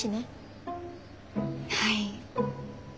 はい。